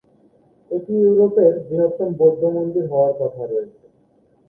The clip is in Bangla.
এটি ইউরোপের বৃহত্তম বৌদ্ধ মন্দির হওয়ার কথা রয়েছে।